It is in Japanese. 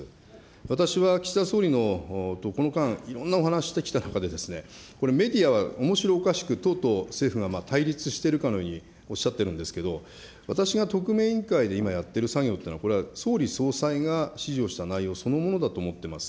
私は岸田総理とこの間、いろんなお話をしてきた中で、これ、メディアはおもしろおかしく党と政府が対立しているかのようにおっしゃってるんですけど、私が特命委員会で今やっている作業というのは、これは総理総裁が指示をした内容そのものだと思ってます。